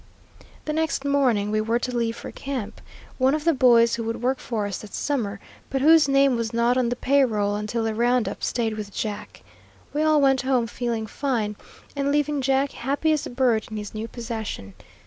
The next morning we were to leave for camp. One of the boys who would work for us that summer, but whose name was not on the pay roll until the round up, stayed with Jack. We all went home feeling fine, and leaving Jack happy as a bird in his new possession.